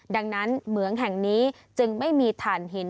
ดังนั้นเหมืองแห่งนี้จึงไม่มีฐานหิน